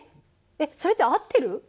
えっそれって合ってる？